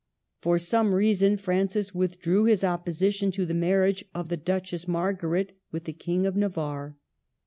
For some reason Francis w^ithdrew his opposition to the marriage of the Duchess Mar garet with the King of Navarre.